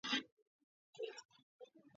იგი ზედა სამ ხაზს შორის იწერება.